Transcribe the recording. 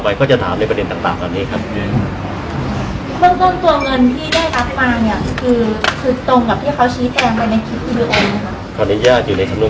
พี่แจงในประเด็นที่เกี่ยวข้องกับความผิดที่ถูกเกาหา